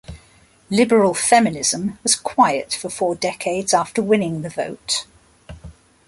Liberal feminism was quiet for four decades after winning the vote.